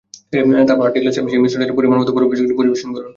তারপর আটটি গ্লাসে সেই মিশ্রণ ঢেলে পরিমাণমতো বরফের কুচি দিয়ে পরিবেশন করুন।